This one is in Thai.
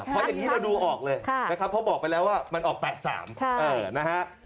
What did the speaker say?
พออย่างนี้เราดูออกเลยนะครับเพราะบอกไปแล้วว่ามันออก๘๓นะฮะ